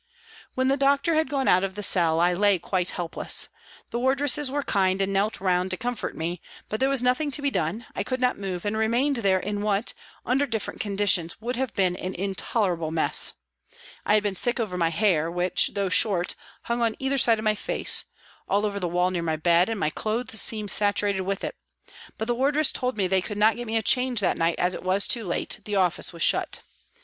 When the doctor had gone out of the cell, I lay quite helpless. The wardresses were kind and knelt round to comfort me, but there was nothing to be done, I could not move, and remained there in what, under different conditions, would have been an intolerable mess. I had been sick over my hair, which, though short, hung on either side of my face, all over the wall near my bed, and my clothes seemed saturated with it, but the wardresses told me they could not get me a change that night as it was too late, the office was shut.